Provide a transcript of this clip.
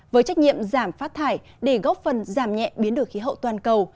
với trách nhiệm giảm phát thải để góp phần giảm nhẹ biến đổi khí hậu toàn cầu